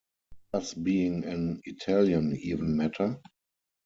Does being an Italian even matter?